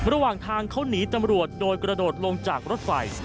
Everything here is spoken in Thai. ระหว่างทางเขาหนีตำรวจโดยกระโดดลงจากรถไฟ